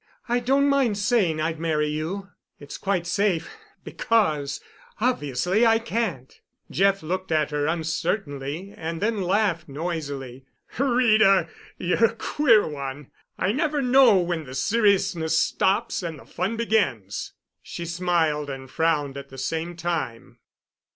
I don't mind saying I'd marry you. It's quite safe, because, obviously, I can't." Jeff looked at her uncertainly and then laughed noisily. "Rita, you're a queer one! I never know when the seriousness stops and the fun begins." She smiled and frowned at the same time.